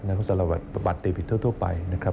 และสละวัดบัตรเดบิตทั่วไปนะครับ